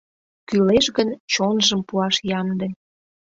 Кӱлеш гын, чонжым пуаш ямде.